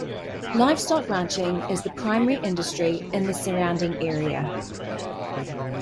Livestock ranching is the primary industry in the surrounding area.